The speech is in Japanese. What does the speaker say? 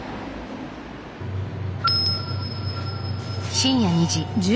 深夜２時。